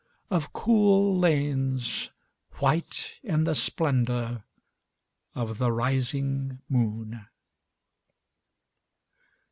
Of cool lanes white in the splendor of the rising moon.